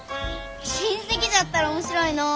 親戚じゃったら面白いのう！